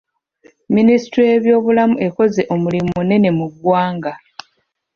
Ministule y’ebyobulamu ekoze omlimu munene mu ggwanga.